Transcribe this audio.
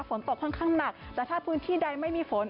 ฝนตกค่อนข้างหนักแต่ถ้าพื้นที่ใดไม่มีฝน